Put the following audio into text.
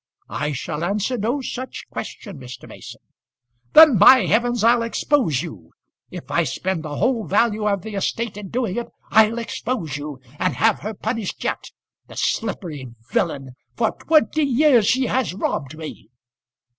"I shall answer no such question, Mr. Mason." "Then by heavens I'll expose you. If I spend the whole value of the estate in doing it I'll expose you, and have her punished yet. The slippery villain! For twenty years she has robbed me."